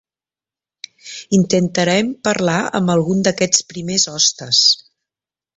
Intentarem parlar amb algun d'aquests primers hostes.